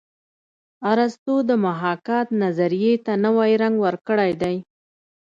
ارستو د محاکات نظریې ته نوی رنګ ورکړی دی